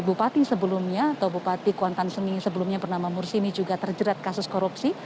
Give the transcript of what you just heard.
bupati sebelumnya atau bupati kuantan seni sebelumnya bernama mursini juga terjerat kasus korupsi